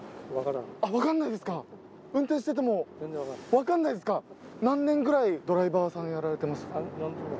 分かんないですか運転してても全然分かんない分かんないですか何年ぐらいドライバーさんやられてます？